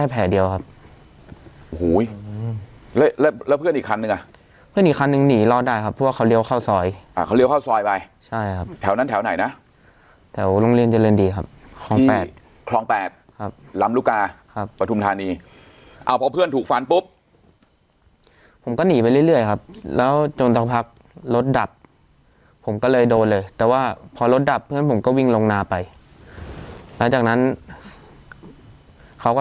เพื่อนอีกครั้งหนึ่งหนีรอดได้ครับเพราะว่าเขาเลี้ยวเข้าซอยอ่าเขาเลี้ยวเข้าซอยไปใช่ครับแถวนั้นแถวไหนนะแถวโรงเรียนเจริญดีครับครองแปดครองแปดครับลำรุกาครับประทุมธานีอ่าพอเพื่อนถูกฟันปุ๊บผมก็หนีไปเรื่อยเรื่อยครับแล้วจนต่อพักรถดับผมก็เลยโดนเลยแต่ว่าพอรถดับเพื่อนผมก็วิ่งลงนาไปแล้วจากนั้นเขาก็